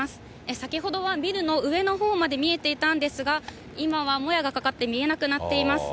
先ほどはビルの上のほうまで見えていたんですが、今はもやがかかって見えなくなっています。